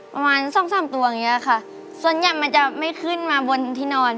ประมาณ๒๓ตัวอย่างนี้แหละค่ะส่วนใหญ่มันจะไม่ขึ้นมาบนที่นอน